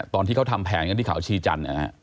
ตอนที่เขาทำแผนกันที่ข่าวชีจันทร์นะครับ